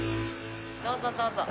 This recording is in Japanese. どうぞどうぞ。